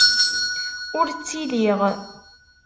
Ur ttiliɣ.